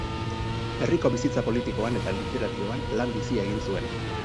Herriko bizitza politikoan eta literarioan lan bizia egin zuen.